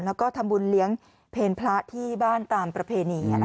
แล้วก็ทำบุญเลี้ยงเพลพระที่บ้านตามประเพณี